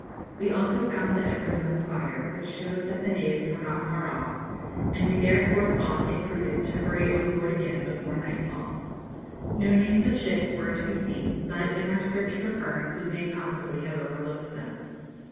We also found the embers of a fire, which showed that the natives were not far off, and we therefore thought it prudent to hurry on board again before nightfall. No names of ships were to be seen; but, in our search for ferns, we may possibly have overlooked them.